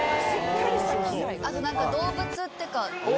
あと、なんか動物っていうか。